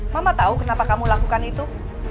mama tahu kenapa kamu lakukan itu